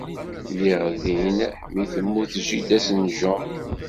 Lliɣ din mi temmut jida-s n Jaume.